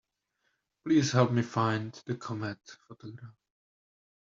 Please help me find the Comet photograph.